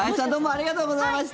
ありがとうございます。